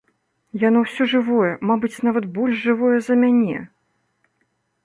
Яно ўсё жывое, мабыць, нават больш жывое за мяне.